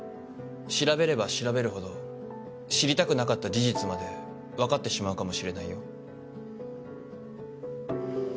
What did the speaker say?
調べれば調べるほど知りたくなかった事実まで分かってしまうかもしれないよ。